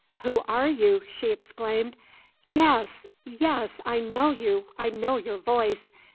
"Who are you?" she exclaimed. "Yes, yes, I know you, I know your voice!